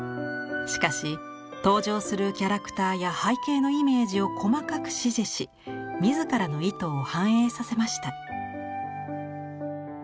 しかし登場するキャラクターや背景のイメージを細かく指示し自らの意図を反映させました。